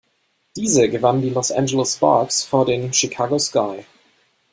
Diese gewannen die Los Angeles Sparks vor den Chicago Sky.